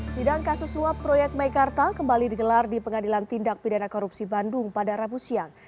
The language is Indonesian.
sidang kasus suap proyek meikarta kembali digelar di pengadilan tindak pidana korupsi bandung pada rabu siang